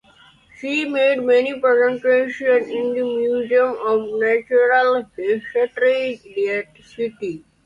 She made many presentations in the Museum of Natural History in that city.